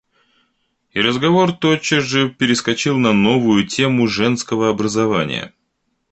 И разговор тотчас же перескочил на новую тему женского образования.